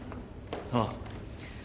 ああ。